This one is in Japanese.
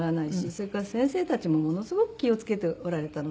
それから先生たちもものすごく気を付けておられたので。